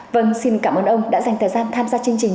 vâng xin cảm ơn ông đã dành thời gian tham gia chương trình